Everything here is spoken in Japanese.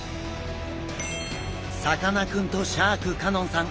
さかなクンとシャーク香音さん